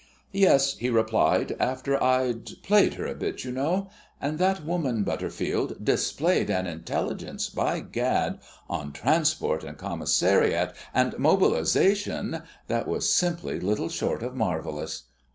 "Yes," he replied, "after I'd played her a bit, you know. And that woman, Butterfield, displayed an intelligence, by Gad, on transport, and commissariat, and mobilisation that was simply little short of marvellous!